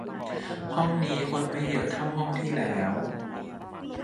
ห้องนี้คนไม่เยอะเท่าห้องที่แล้ว